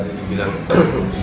juru hanya alamiah